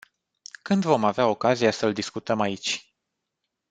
Când vom avea ocazia să-l discutăm aici?